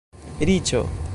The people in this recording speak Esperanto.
Riĉo